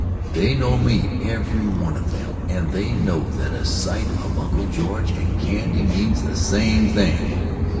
They know me, every one of them, and they know that a sight of Uncle George and candy means the same thing.